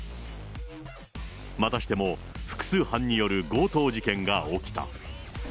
またしても複数犯による強盗事件が起きた。